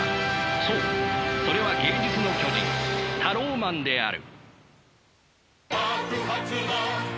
そうそれは芸術の巨人タローマンである。